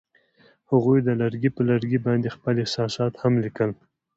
هغوی د لرګی پر لرګي باندې خپل احساسات هم لیکل.